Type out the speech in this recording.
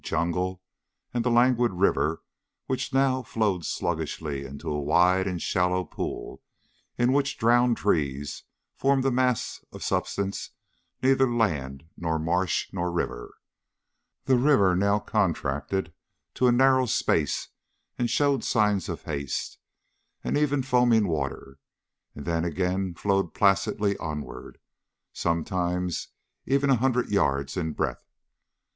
Jungle, and the languid river which now flowed sluggishly into a wide and shallow pool in which drowned trees formed a mass of substance neither land nor marsh nor river. The river now contracted to a narrow space and showed signs of haste, and even foaming water, and then again flowed placidly onward, sometimes even a hundred yards in breadth.